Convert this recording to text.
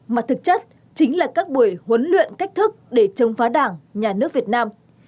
mà thực chất chính là các buổi huấn luyện cách thức để chống phá đảng nhà nước việt nam